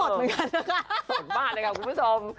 ฝนมากนะครับคุณผู้ชม